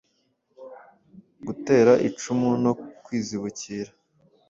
gutera icumu no kwizibukira